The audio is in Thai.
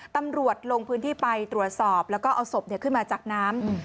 ตำรวจลงพื้นที่ไปตรวจสอบแล้วก็เอาศพขึ้นมาจากน้ำ